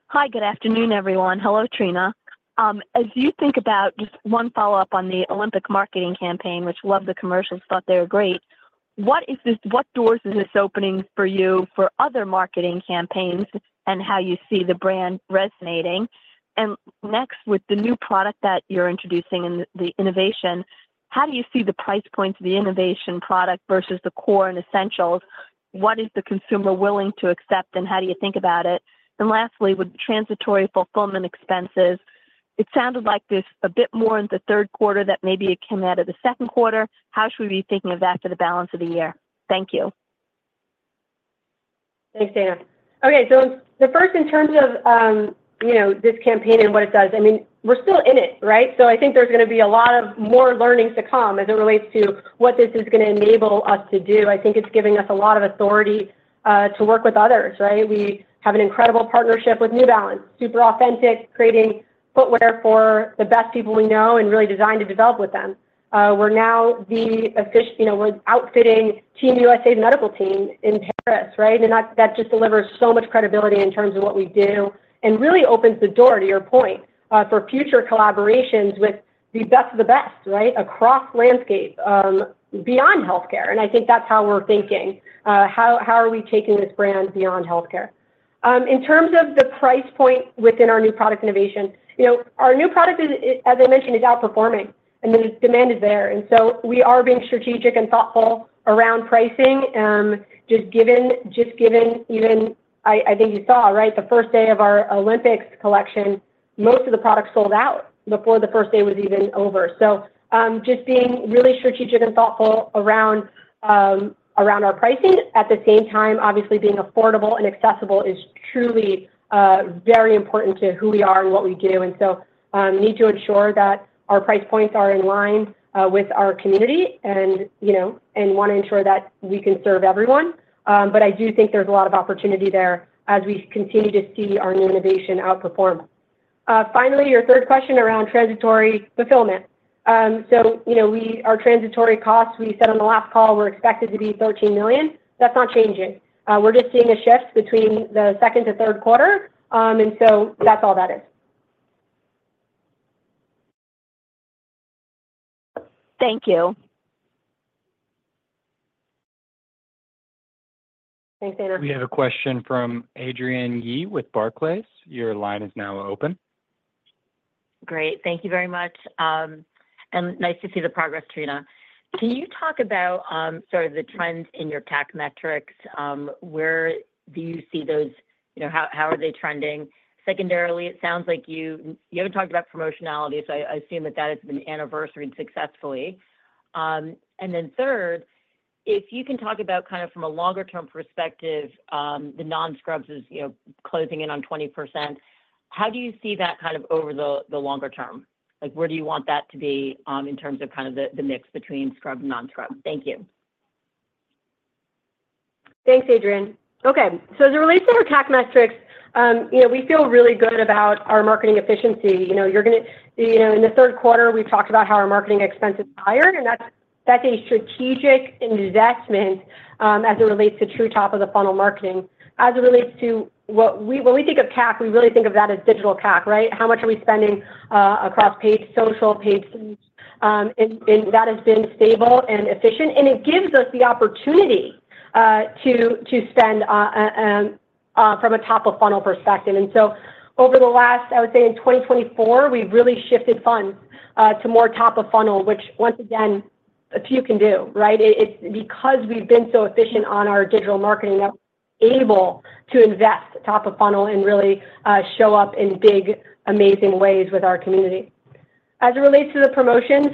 Hi, good afternoon, everyone. Hello, Trina. Just one follow-up on the Olympic marketing campaign, which loved the commercials, thought they were great. What doors is this opening for you for other marketing campaigns and how you see the brand resonating? And next, with the new product that you're introducing and the innovation, how do you see the price points of the innovation product versus the core and essentials? What is the consumer willing to accept, and how do you think about it? And lastly, with transitory fulfillment expenses, it sounded like there's a bit more in the third quarter that maybe it came out of the second quarter. How should we be thinking of that for the balance of the year? Thank you. Thanks, Dana. Okay. So the first, in terms of, you know, this campaign and what it does, I mean, we're still in it, right? So I think there's gonna be a lot of more learnings to come as it relates to what this is gonna enable us to do. I think it's giving us a lot of authority, to work with others, right? We have an incredible partnership with New Balance, super authentic, creating footwear for the best people we know and really designed to develop with them. You know, we're outfitting Team USA medical team in Paris, right? And that, that just delivers so much credibility in terms of what we do and really opens the door, to your point, for future collaborations with the best of the best, right? Across landscape, beyond healthcare. I think that's how we're thinking. How are we taking this brand beyond healthcare? In terms of the price point within our new product innovation, you know, our new product, as I mentioned, is outperforming, and the demand is there. And so we are being strategic and thoughtful around pricing, just given even... I think you saw, right, the first day of our Olympics collection, most of the products sold out before the first day was even over. So, just being really strategic and thoughtful around our pricing. At the same time, obviously, being affordable and accessible is truly very important to who we are and what we do, and so we need to ensure that our price points are in line with our community and, you know, and wanna ensure that we can serve everyone. But I do think there's a lot of opportunity there as we continue to see our new innovation outperform. Finally, your third question around transitory fulfillment. So you know, our transitory costs, we said on the last call, were expected to be $13 million. That's not changing. We're just seeing a shift between the second to third quarter, and so that's all that is. Thank you.... Thanks, Dana. We have a question from Adrienne Yih with Barclays. Your line is now open. Great. Thank you very much. And nice to see the progress, Trina. Can you talk about sort of the trends in your TAM metrics? Where do you see those? You know, how are they trending? Secondarily, it sounds like you haven't talked about promotionality, so I assume that that has been anniversaried successfully. And then third, if you can talk about kind of from a longer term perspective, the non-scrubs is, you know, closing in on 20%. How do you see that kind of over the longer term? Like, where do you want that to be in terms of kind of the mix between scrub and non-scrub? Thank you. Thanks, Adrienne. Okay, so as it relates to our CAC metrics, you know, we feel really good about our marketing efficiency. You know, you're gonna, you know, in the third quarter, we talked about how our marketing expense is higher, and that's a strategic investment as it relates to true top-of-the-funnel marketing. As it relates to what we, when we think of CAC, we really think of that as digital CAC, right? How much are we spending across paid social, paid search? And that has been stable and efficient, and it gives us the opportunity to spend from a top-of-funnel perspective. And so over the last, I would say in 2024, we've really shifted funds to more top of funnel, which once again, a few can do, right? It's because we've been so efficient on our digital marketing, that we're able to invest top of funnel and really show up in big, amazing ways with our community. As it relates to the promotions,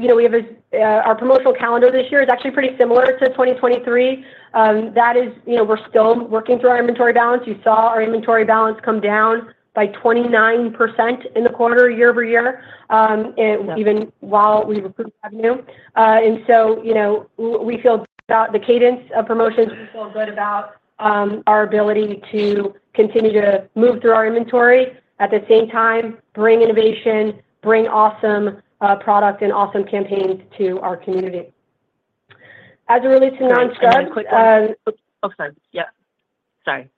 you know, we have a our promotional calendar this year is actually pretty similar to 2023. That is, you know, we're still working through our inventory balance. You saw our inventory balance come down by 29% in the quarter, year-over-year, and even while we've improved revenue. And so, you know, we feel about the cadence of promotions. We feel good about our ability to continue to move through our inventory, at the same time, bring innovation, bring awesome product and awesome campaigns to our community. As it relates to non-scrubs, Oh, sorry. Yeah. Sorry.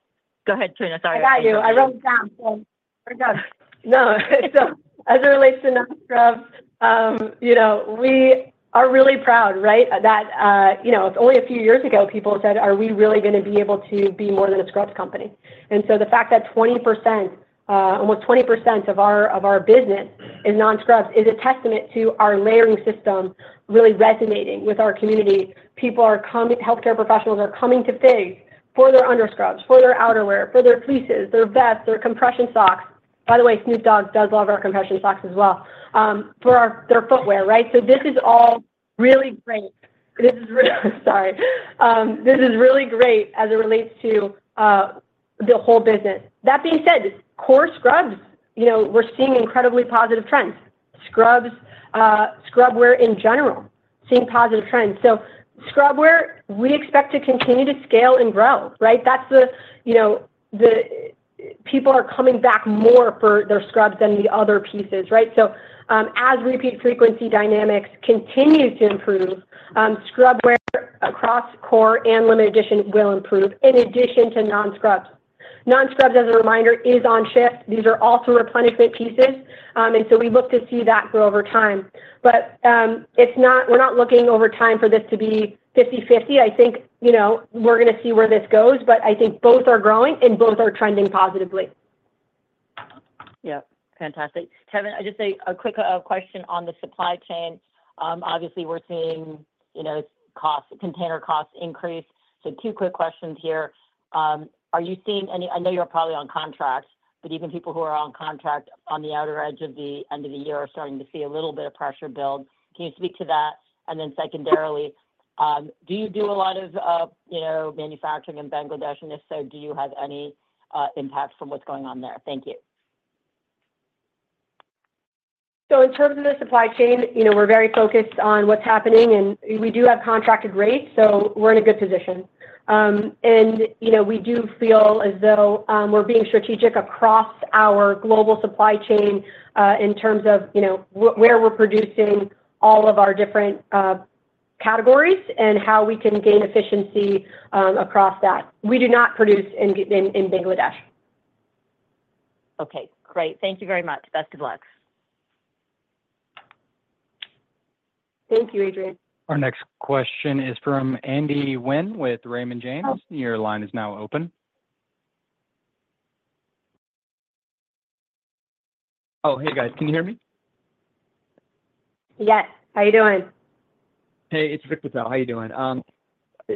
Go ahead, Trina. Sorry. I got you. I wrote it down, so we're done. No. So as it relates to non-scrubs, you know, we are really proud, right? That, you know, only a few years ago, people said, "Are we really gonna be able to be more than a scrubs company?" And so the fact that 20%, almost 20% of our, of our business is non-scrubs, is a testament to our layering system really resonating with our community. People are coming, healthcare professionals are coming to FIGS for their underscrubs, for their outerwear, for their fleeces, their vests, their compression socks. By the way, Snoop Dogg does love our compression socks as well, for our footwear, right? So this is all really great. This is... sorry. This is really great as it relates to, the whole business. That being said, core scrubs, you know, we're seeing incredibly positive trends. Scrubs, scrubwear in general, seeing positive trends. So scrubwear, we expect to continue to scale and grow, right? That's the, you know, the, people are coming back more for their scrubs than the other pieces, right? So, as repeat frequency dynamics continues to improve, scrubwear across core and limited edition will improve, in addition to non-scrubwear. Non-scrubwear, as a reminder, is on shift. These are also replenishment pieces, and so we look to see that grow over time. But, it's not- we're not looking over time for this to be 50/50. I think, you know, we're gonna see where this goes, but I think both are growing and both are trending positively. Yeah. Fantastic. Kevin, just a quick question on the supply chain. Obviously, we're seeing, you know, costs, container costs increase. So two quick questions here. Are you seeing any... I know you're probably on contract, but even people who are on contract on the outer edge of the end of the year are starting to see a little bit of pressure build. Can you speak to that? And then secondarily, do you do a lot of, you know, manufacturing in Bangladesh? And if so, do you have any impact from what's going on there? Thank you. So in terms of the supply chain, you know, we're very focused on what's happening, and we do have contracted rates, so we're in a good position. You know, we do feel as though we're being strategic across our global supply chain, in terms of, you know, where we're producing all of our different categories and how we can gain efficiency across that. We do not produce in Bangladesh. Okay, great. Thank you very much. Best of luck. Thank you, Adrienne. Our next question is from Andy Wynn, with Raymond James. Your line is now open. Oh, hey, guys. Can you hear me? Yes. How you doing? Hey, it's Rick Patel. How you doing? I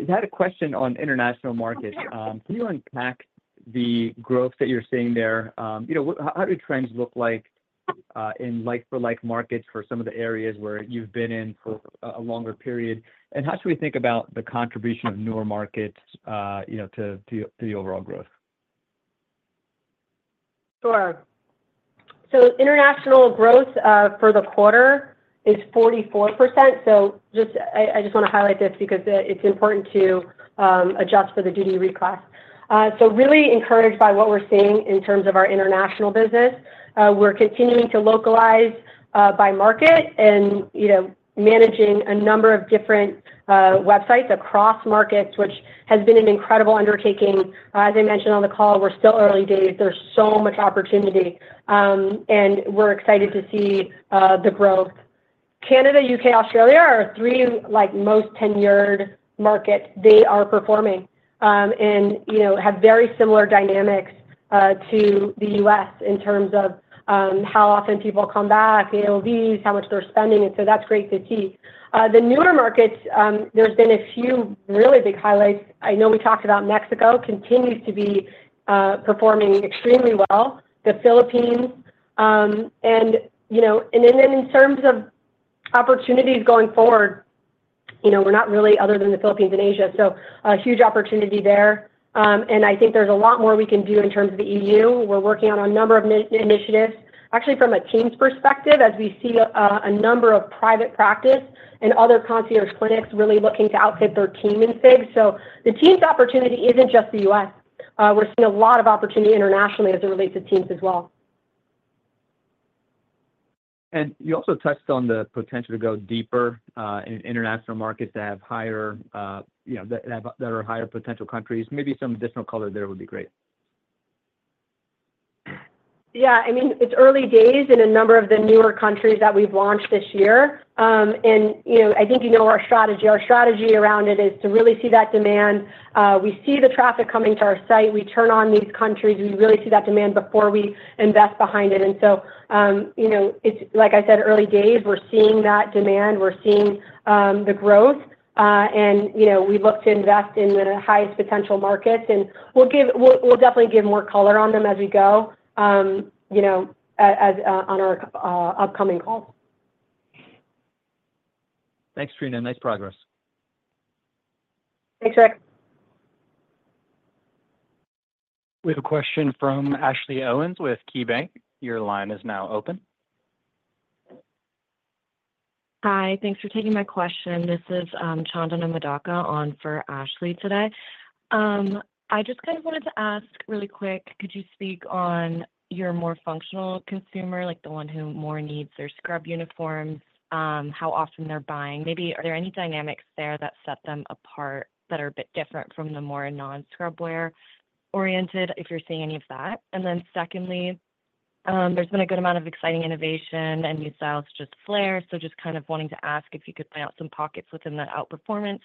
had a question on international markets. Sure. Can you unpack the growth that you're seeing there? You know, how do trends look like in like for like markets for some of the areas where you've been in for a longer period? And how should we think about the contribution of newer markets, you know, to the overall growth? Sure. So international growth for the quarter is 44%. So just I just wanna highlight this because it's important to adjust for the duty reclass. So really encouraged by what we're seeing in terms of our international business. We're continuing to localize by market and, you know, managing a number of different websites across markets, which has been an incredible undertaking. As I mentioned on the call, we're still early days. There's so much opportunity and we're excited to see the growth. Canada, U.K., Australia are our three, like, most tenured markets. They are performing and, you know, have very similar dynamics to the U.S. in terms of how often people come back, the AOVs, how much they're spending, and so that's great to see. The newer markets, there's been a few really big highlights. I know we talked about Mexico, continues to be, performing extremely well, the Philippines. And, you know, and then, then in terms of opportunities going forward, you know, we're not really other than the Philippines and Asia, so a huge opportunity there. And I think there's a lot more we can do in terms of the EU. We're working on a number of initiatives, actually from a teams perspective, as we see, a number of private practice and other concierge clinics really looking to outfit their team in FIGS. So the teams opportunity isn't just the U.S. We're seeing a lot of opportunity internationally as it relates to teams as well. You also touched on the potential to go deeper in international markets that have higher, you know, that, that are higher potential countries. Maybe some additional color there would be great. Yeah, I mean, it's early days in a number of the newer countries that we've launched this year. And, you know, I think you know our strategy. Our strategy around it is to really see that demand. We see the traffic coming to our site, we turn on these countries, we really see that demand before we invest behind it. And so, you know, it's, like I said, early days, we're seeing that demand, we're seeing the growth. And, you know, we look to invest in the highest potential markets, and we'll definitely give more color on them as we go, you know, as on our upcoming calls. Thanks, Trina. Nice progress. Thanks, Rick. We have a question from Ashley Owens with KeyBanc. Your line is now open. Hi, thanks for taking my question. This is Chandana Madaka on for Ashley today. I just kind of wanted to ask really quick, could you speak on your more functional consumer, like the one who more needs their scrub uniforms, how often they're buying? Maybe are there any dynamics there that set them apart that are a bit different from the more non-scrubwear oriented, if you're seeing any of that? And then secondly, there's been a good amount of exciting innovation and new styles, just Flare. So just kind of wanting to ask if you could point out some pockets within that outperformance,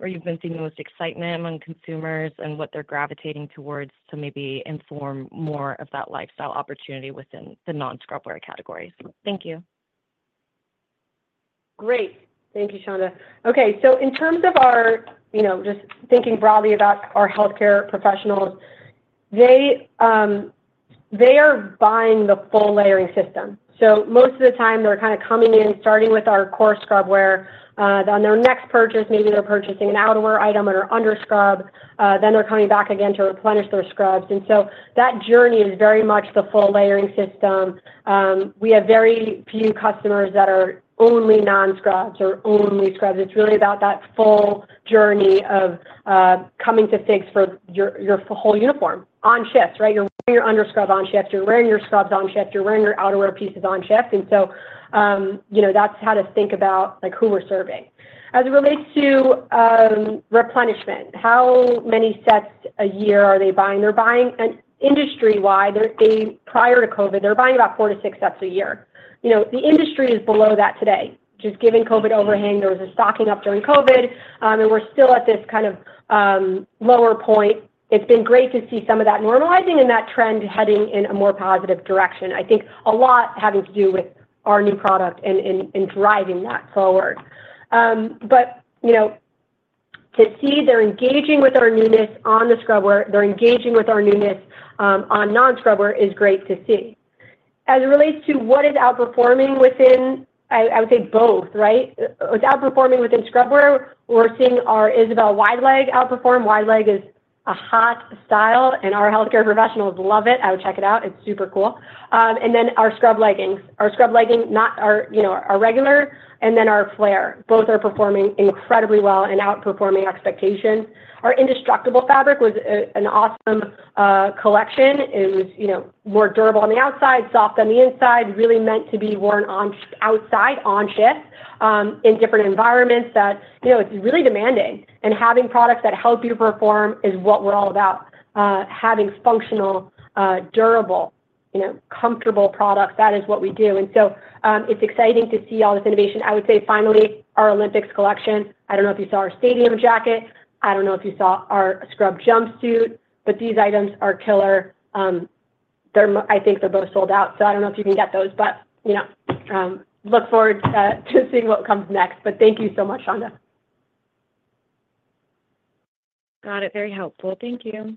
where you've been seeing the most excitement among consumers and what they're gravitating towards to maybe inform more of that lifestyle opportunity within the non-scrubwear categories. Thank you. Great. Thank you, Chandana. Okay, so in terms of our, you know, just thinking broadly about our healthcare professionals, they are buying the full layering system. So most of the time they're kind of coming in, starting with our core scrubwear. On their next purchase, maybe they're purchasing an outerwear item and an under scrub. Then they're coming back again to replenish their scrubs. And so that journey is very much the full layering system. We have very few customers that are only non-scrubs or only scrubs. It's really about that full journey of coming to FIGS for your whole uniform on shifts, right? You're wearing your under scrub on shift, you're wearing your scrubs on shift, you're wearing your outerwear pieces on shift. And so, you know, that's how to think about, like, who we're serving. As it relates to replenishment, how many sets a year are they buying? They're buying, and industry-wide, prior to COVID, they were buying about 4-6 sets a year. You know, the industry is below that today, just given COVID overhang, there was a stocking up during COVID, and we're still at this kind of lower point. It's been great to see some of that normalizing and that trend heading in a more positive direction. I think a lot having to do with our new product and driving that forward. But, you know, to see they're engaging with our newness on the scrubwear, they're engaging with our newness on non-scrubwear, is great to see. As it relates to what is outperforming within, I would say both, right? What's outperforming within scrubwear, we're seeing our Isabelle Wide Leg outperform. Wide Leg is a hot style, and our healthcare professionals love it. I would check it out, it's super cool. And then our scrub leggings. Our scrub leggings, not our, you know, our regular, and then our Flare. Both are performing incredibly well and outperforming expectations. Our Indestructible fabric was an awesome collection. It was, you know, more durable on the outside, soft on the inside, really meant to be worn on shift- outside on shift, in different environments that, you know, it's really demanding. And having products that help you perform is what we're all about. Having functional, durable, you know, comfortable products, that is what we do. And so, it's exciting to see all this innovation. I would say finally, our Olympics collection. I don't know if you saw our stadium jacket, I don't know if you saw our scrub jumpsuit, but these items are killer. I think they're both sold out, so I don't know if you can get those, but, you know, look forward to seeing what comes next. But thank you so much, Chandana. Got it. Very helpful. Thank you.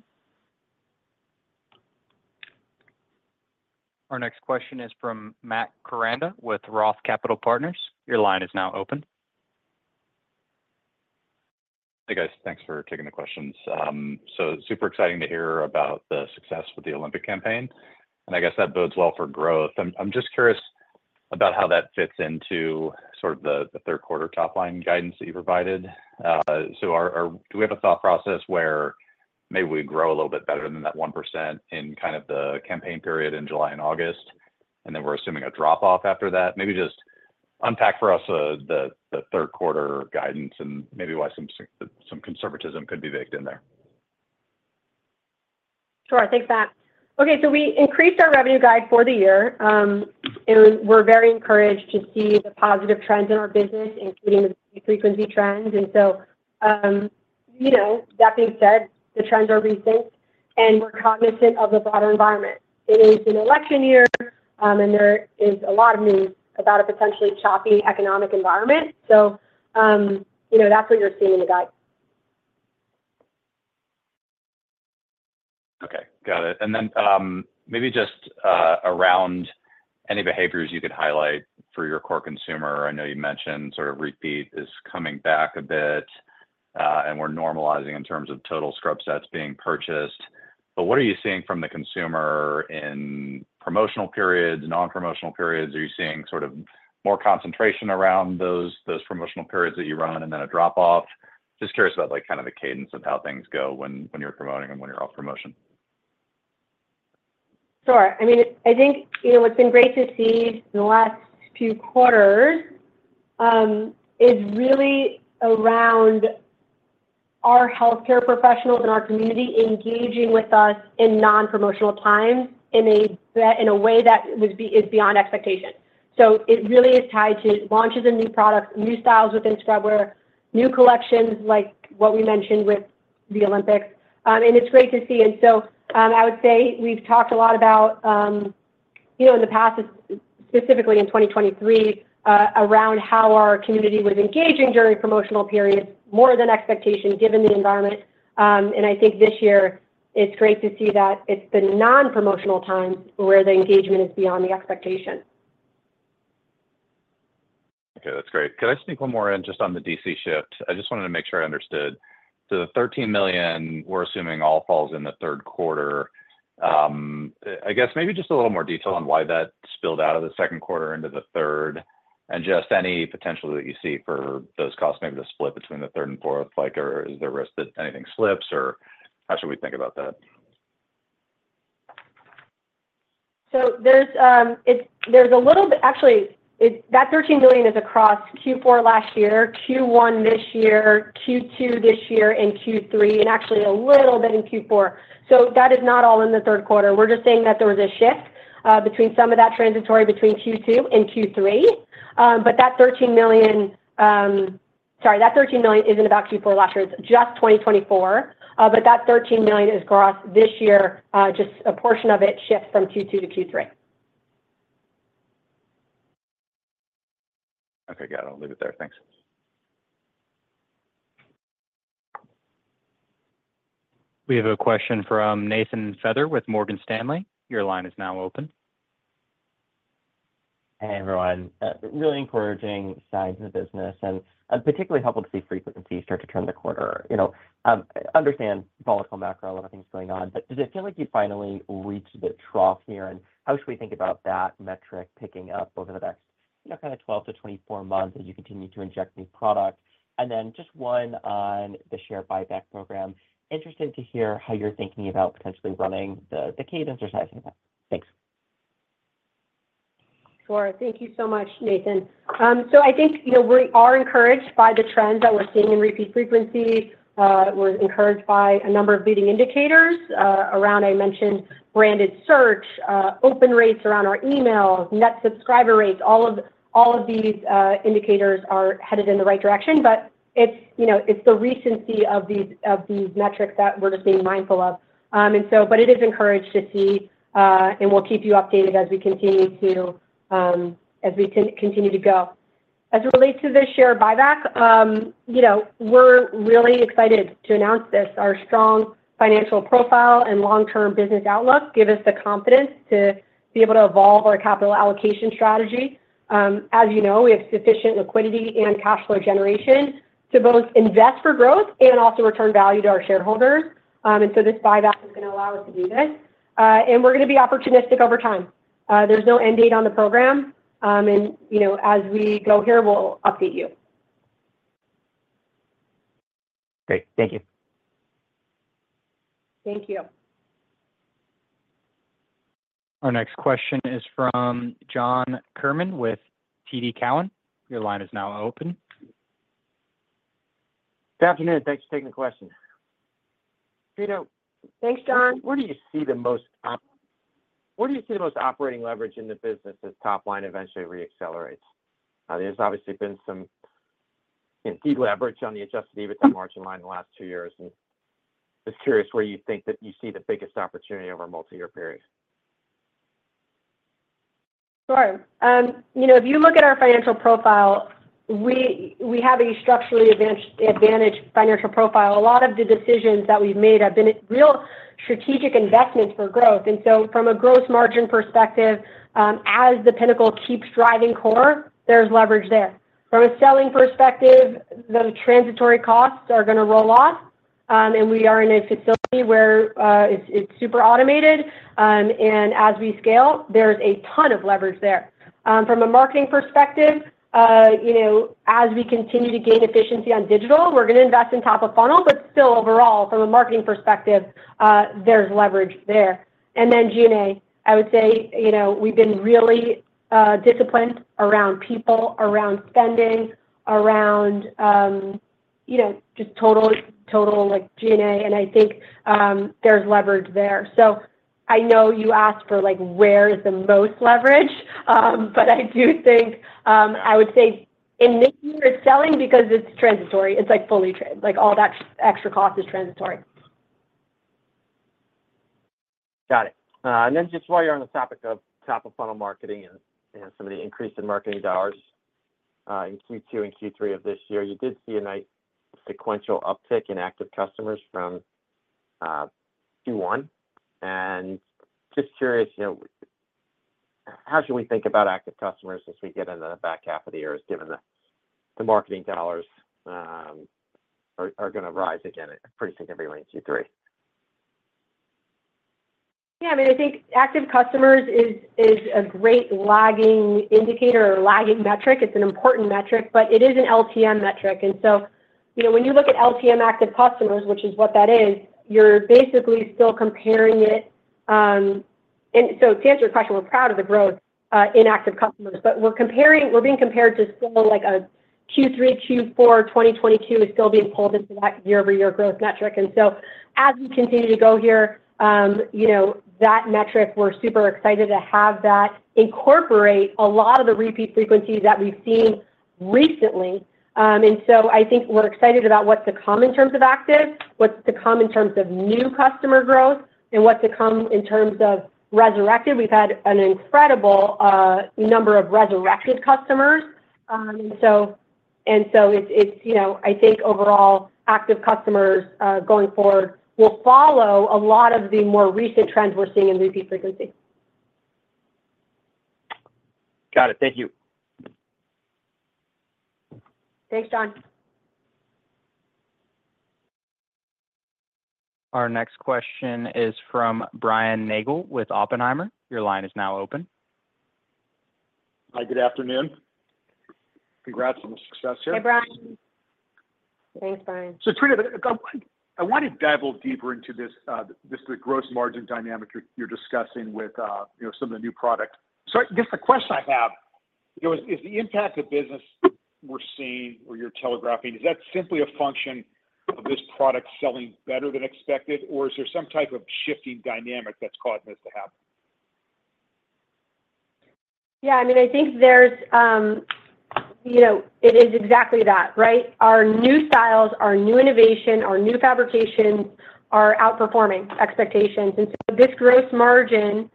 Our next question is from Matt Koranda with Roth Capital Partners. Your line is now open. Hey, guys. Thanks for taking the questions. So super exciting to hear about the success with the Olympic campaign, and I guess that bodes well for growth. I'm just curious about how that fits into sort of the third quarter top line guidance that you provided. So are... Do we have a thought process where maybe we grow a little bit better than that 1% in kind of the campaign period in July and August, and then we're assuming a drop off after that? Maybe just unpack for us the third quarter guidance and maybe why some conservatism could be baked in there.... Sure. Thanks, Matt. Okay, so we increased our revenue guide for the year, and we're very encouraged to see the positive trends in our business, including the frequency trends. And so, you know, that being said, the trends are recent, and we're cognizant of the broader environment. It is an election year, and there is a lot of news about a potentially choppy economic environment. So, you know, that's what you're seeing in the guide. Okay, got it. And then, maybe just around any behaviors you could highlight for your core consumer. I know you mentioned sort of repeat is coming back a bit, and we're normalizing in terms of total scrub sets being purchased. But what are you seeing from the consumer in promotional periods, non-promotional periods? Are you seeing sort of more concentration around those promotional periods that you run and then a drop off? Just curious about, like, kind of the cadence of how things go when you're promoting and when you're off promotion. Sure. I mean, I think, you know, it's been great to see in the last two quarters is really around our healthcare professionals and our community engaging with us in non-promotional times in a way that is beyond expectation. So it really is tied to launches of new products, new styles within scrubwear, new collections, like what we mentioned with the Olympics. And it's great to see. And so, I would say we've talked a lot about, you know, in the past, specifically in 2023, around how our community was engaging during promotional periods, more than expectation, given the environment. And I think this year it's great to see that it's the non-promotional times where the engagement is beyond the expectation. Okay, that's great. Could I sneak one more in just on the DC shift? I just wanted to make sure I understood. So the $13 million, we're assuming, all falls in the third quarter. I guess maybe just a little more detail on why that spilled out of the second quarter into the third, and just any potential that you see for those costs maybe to split between the third and fourth, like, or is there a risk that anything slips, or how should we think about that? So there's a little bit. Actually, that $13 million is across Q4 last year, Q1 this year, Q2 this year, and Q3, and actually a little bit in Q4. So that is not all in the third quarter. We're just saying that there was a shift between some of that transitory between Q2 and Q3. But that $13 million... Sorry, that $13 million isn't about Q4 last year, it's just 2024. But that $13 million is across this year, just a portion of it shifts from Q2 to Q3. Okay, got it. I'll leave it there. Thanks. We have a question from Nathan Feather with Morgan Stanley. Your line is now open. Hey, everyone. Really encouraging signs in the business, and particularly helpful to see frequency start to turn the quarter. You know, understand volatile macro, a lot of things going on, but does it feel like you finally reached the trough here? And how should we think about that metric picking up over the next, you know, kind of 12-24 months as you continue to inject new product? And then just one on the share buyback program. Interested to hear how you're thinking about potentially running the, the cadence or size of that. Thanks. Sure. Thank you so much, Nathan. So I think, you know, we are encouraged by the trends that we're seeing in repeat frequency. We're encouraged by a number of leading indicators, around, I mentioned branded search, open rates around our emails, net subscriber rates. All of, all of these indicators are headed in the right direction, but it's, you know, it's the recency of these, of these metrics that we're just being mindful of. And so, but it is encouraged to see, and we'll keep you updated as we continue to, as we continue to go. As it relates to the share buyback, you know, we're really excited to announce this. Our strong financial profile and long-term business outlook give us the confidence to be able to evolve our capital allocation strategy. As you know, we have sufficient liquidity and cash flow generation to both invest for growth and also return value to our shareholders. And so this buyback is gonna allow us to do this, and we're gonna be opportunistic over time. There's no end date on the program, and, you know, as we go here, we'll update you. Great. Thank you. Thank you. Our next question is from John Kernan with TD Cowen. Your line is now open. Good afternoon. Thanks for taking the question. Peter- Thanks, John. Where do you see the most operating leverage in the business as top line eventually reaccelerates? There's obviously been some, indeed, leverage on the Adjusted EBITDA Margin line in the last two years, and just curious where you think that you see the biggest opportunity over a multi-year period. Sure. You know, if you look at our financial profile, we, we have a structurally advantaged, advantaged financial profile. A lot of the decisions that we've made have been a real strategic investment for growth. And so from a gross margin perspective, as the Pinnacle keeps driving core, there's leverage there. From a selling perspective, those transitory costs are gonna roll off, and we are in a facility where, it's super automated. And as we scale, there's a ton of leverage there. From a marketing perspective, you know, as we continue to gain efficiency on digital, we're gonna invest in top of funnel, but still, overall, from a marketing perspective, there's leverage there. And then G&A, I would say, you know, we've been really disciplined around people, around spending, around... You know, just total, total, like, SG&A, and I think there's leverage there. So I know you asked for, like, where is the most leverage, but I do think I would say in SG&A, because it's transitory. It's like all that extra cost is transitory. Got it. And then just while you're on the topic of top-of-funnel marketing and some of the increase in marketing dollars in Q2 and Q3 of this year, you did see a nice sequential uptick in active customers from Q1. And just curious, you know, how should we think about active customers as we get into the back half of the year, given the marketing dollars are gonna rise again pretty significantly in Q3? Yeah, I mean, I think active customers is, is a great lagging indicator or lagging metric. It's an important metric, but it is an LTM metric. And so, you know, when you look at LTM active customers, which is what that is, you're basically still comparing it. And so to answer your question, we're proud of the growth in active customers, but we're comparing, we're being compared to still, like, a Q3, Q4, 2022 is still being pulled into that year-over-year growth metric. And so as we continue to go here, you know, that metric, we're super excited to have that incorporate a lot of the repeat frequencies that we've seen recently. And so I think we're excited about what's to come in terms of active, what's to come in terms of new customer growth, and what's to come in terms of resurrected. We've had an incredible number of resurrected customers. So it's, it's, you know... I think overall, active customers going forward will follow a lot of the more recent trends we're seeing in repeat frequency. Got it. Thank you. Thanks, John. Our next question is from Brian Nagel with Oppenheimer. Your line is now open. Hi, good afternoon. Congrats on the success here. Hey, Brian. Thanks, Brian. Trina, I wanted to dive a little deeper into this, the gross margin dynamic you're discussing with, you know, some of the new products. I guess the question I have, you know, is the impact of business we're seeing or you're telegraphing, is that simply a function of this product selling better than expected, or is there some type of shifting dynamic that's causing this to happen? Yeah, I mean, I think there's, you know, it is exactly that, right? Our new styles, our new innovation, our new fabrications are outperforming expectations. And so this gross margin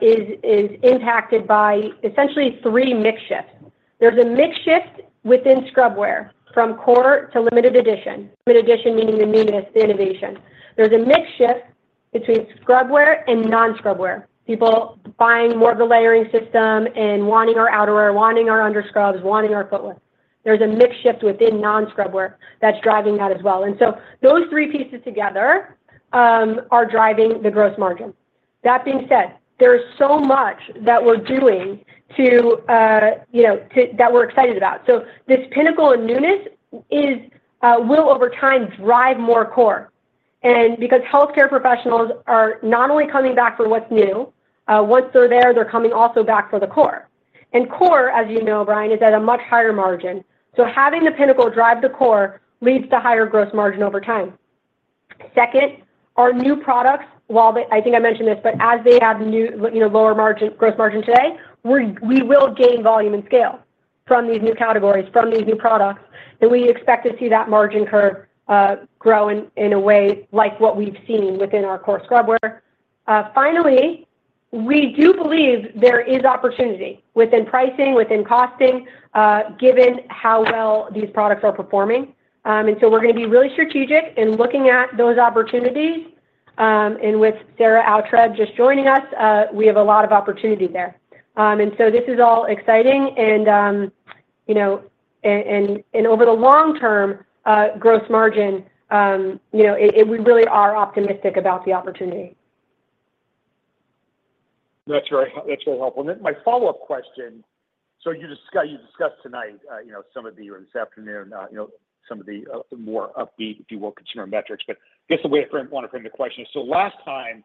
is impacted by essentially three mix shifts. There's a mix shift within scrubwear, from core to limited edition. Limited edition, meaning the newness, the innovation. There's a mix shift between scrubwear and non-scrubwear. People buying more of the layering system and wanting our outer wear, wanting our under scrubs, wanting our footwear. There's a mix shift within non-scrubwear that's driving that as well. And so those three pieces together are driving the gross margin. That being said, there is so much that we're doing to, you know, to that we're excited about. So this pinnacle and newness is will, over time, drive more core. Because healthcare professionals are not only coming back for what's new, once they're there, they're coming also back for the core. Core, as you know, Brian, is at a much higher margin. So having the pinnacle drive the core leads to higher gross margin over time. Second, our new products, while I think I mentioned this, but as they have new, you know, lower margin, gross margin today, we will gain volume and scale from these new categories, from these new products. And we expect to see that margin curve grow in a way like what we've seen within our core scrubwear. Finally, we do believe there is opportunity within pricing, within costing, given how well these products are performing. And so we're gonna be really strategic in looking at those opportunities. And with Sarah Oughtred just joining us, we have a lot of opportunity there. And so this is all exciting and, you know, and over the long term, gross margin, you know, it, it—we really are optimistic about the opportunity. That's very... That's really helpful. And then my follow-up question: so you discuss, you discussed tonight, you know, some of the... or this afternoon, you know, some of the, the more upbeat, if you will, consumer metrics. But I guess the way I wanna frame the question is, so last time,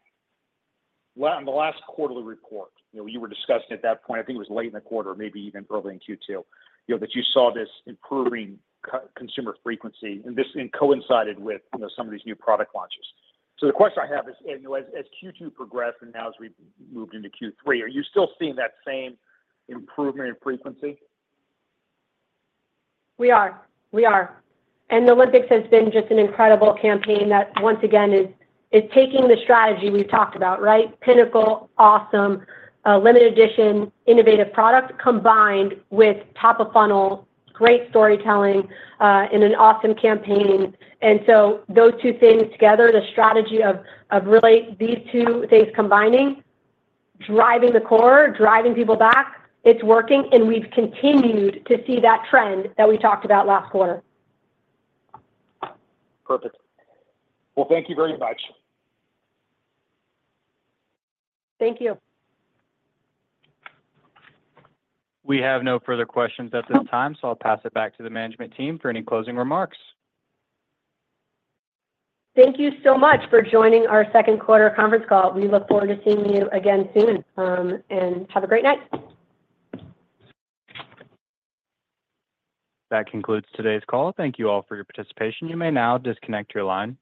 on the last quarterly report, you know, you were discussing at that point, I think it was late in the quarter, maybe even early in Q2, you know, that you saw this improving consumer frequency, and this, and coincided with, you know, some of these new product launches. So the question I have is, you know, as Q2 progressed, and now as we've moved into Q3, are you still seeing that same improvement in frequency? We are. We are. The Olympics has been just an incredible campaign that, once again, is taking the strategy we've talked about, right? Pinnacle, awesome, limited edition, innovative product, combined with top-of-funnel, great storytelling, and an awesome campaign. So those two things together, the strategy of really these two things combining, driving the core, driving people back, it's working, and we've continued to see that trend that we talked about last quarter. Perfect. Well, thank you very much. Thank you. We have no further questions at this time, so I'll pass it back to the management team for any closing remarks. Thank you so much for joining our second quarter conference call. We look forward to seeing you again soon, and have a great night. That concludes today's call. Thank you all for your participation. You may now disconnect your line.